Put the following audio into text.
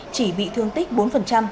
chỉ bị thương tích bốn